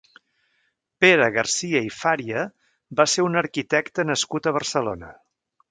Pere Garcia i Fària va ser un arquitecte nascut a Barcelona.